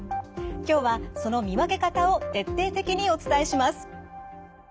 今日はその見分け方を徹底的にお伝えします。